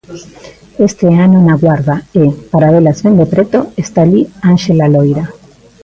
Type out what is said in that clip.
Este ano na Guarda e para velas ben de preto está alí Ánxela Loira...